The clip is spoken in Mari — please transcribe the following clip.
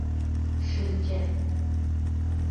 Шинче!